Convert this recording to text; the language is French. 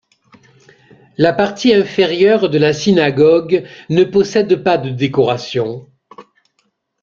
La partie inférieure de la synagogue ne possède pas de décoration.